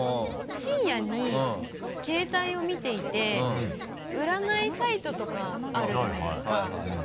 深夜に携帯を見ていて占いサイトとかあるじゃないですか？